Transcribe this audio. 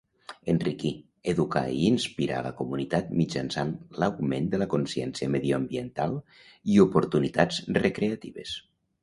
Enriquir, educar i inspirar la comunitat mitjançant l'augment de la consciència mediambiental i oportunitats recreatives.